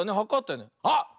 あっ！